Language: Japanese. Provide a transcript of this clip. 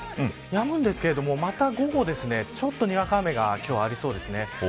やむんですが、また午後ちょっとにわか雨がありそうです。